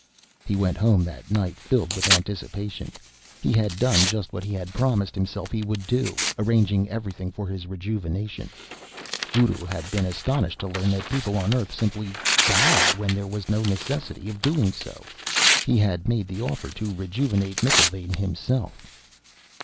He went home that night filled with anticipation. He had done just what he had promised himself he would do, arranging everything for his rejuvenation. Guru had been astonished to learn that people on Earth simply died when there was no necessity of doing so; he had made the offer to rejuvenate McIlvaine himself.